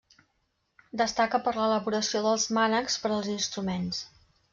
Destaca per l'elaboració dels mànecs per als instruments.